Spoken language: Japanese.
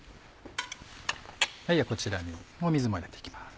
こちらに水も入れて行きます